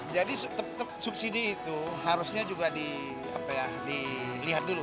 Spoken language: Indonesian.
jadi subsidi itu harusnya juga dilihat dulu